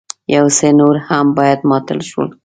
يو څه نور هم بايد ماتل شو.